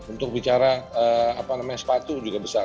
untuk bicara apa namanya sepatu juga besar